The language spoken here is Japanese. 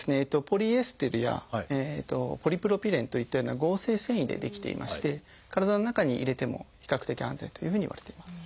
ポリエステルやポリプロピレンといったような合成繊維で出来ていまして体の中に入れても比較的安全というふうにいわれています。